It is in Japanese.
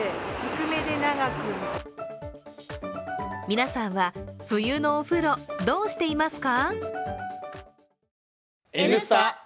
皆さんは冬のお風呂、どうしていますか？